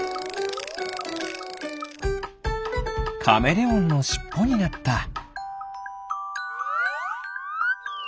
カメレオンのしっぽになった。